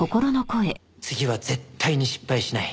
次は絶対に失敗しない